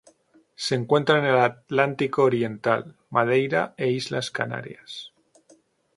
Se encuentra en el Atlántico oriental: Madeira e Islas Canarias.